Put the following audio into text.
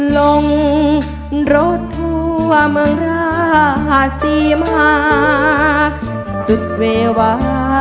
ลงรถทั่วเมืองราศรีมหาสุดเววา